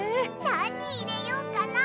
なにいれよっかな？